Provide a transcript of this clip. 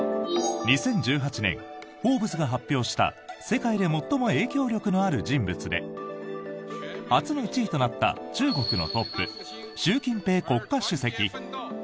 ２０１８年「フォーブス」が発表した世界で最も影響力のある人物で初の１位となった中国のトップ習近平国家主席。